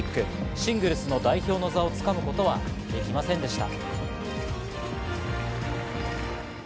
シングルスの代表の座をつかむことはできませんでした。